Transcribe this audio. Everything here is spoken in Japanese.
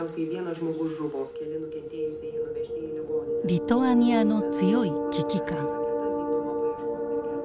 リトアニアの強い危機感。